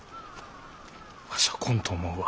わしゃ来んと思うわ。